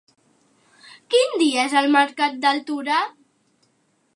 Quin dia és el mercat d'Altura?